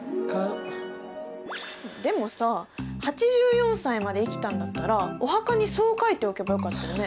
でもさ８４歳まで生きたんだったらお墓にそう書いておけばよかったよね。